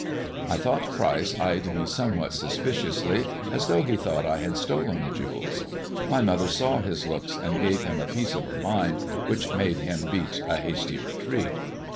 I thought Pryce eyed me somewhat suspiciously, as though he thought I had stolen the jewels. My mother saw his looks, and gave him a piece of her mind which made him beat a hasty retreat.